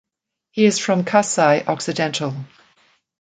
He is from Kasai-Occidental.